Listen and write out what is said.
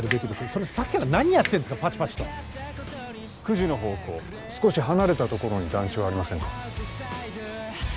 それさっきから何やってんすかパチパチと９時の方向少し離れたところに団地はありませんか？